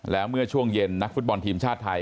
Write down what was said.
แล้วเมื่อช่วงเย็นนักฟุตบอลทีมชาติไทย